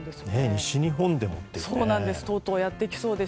西日本でもというね。